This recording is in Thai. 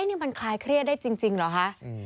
นี่มันคลายเครียดได้จริงเหรอคะ